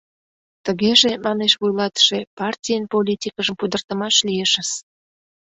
— Тыгеже, — манеш вуйлатыше, — партийын политикыжым пудыртымаш лиешыс.